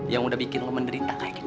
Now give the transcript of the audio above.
yang udah bikin lo menderita kayak gini